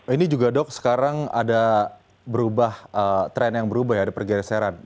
ini juga dok sekarang ada berubah tren yang berubah ya ada pergeseran